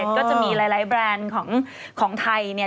ก็จะมีหลายแบรนด์ของไทย